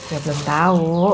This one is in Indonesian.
ya belum tau